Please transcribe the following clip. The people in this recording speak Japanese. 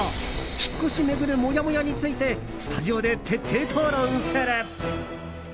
引っ越しを巡るモヤモヤについてスタジオで徹底討論する。